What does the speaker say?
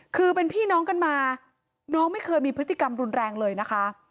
คือเป็นพี่น้องกันมาน้องไม่เคยมีพฤติกรรมรุนแรงเลยนะคะ